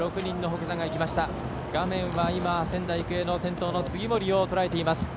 画面は仙台育英の杉森をとらえています。